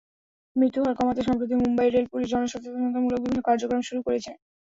মৃত্যুহার কমাতে সম্প্রতি Mumbai rail police জনসচেতনতামূলক বিভিন্ন কার্যক্রম শুরু করেছে।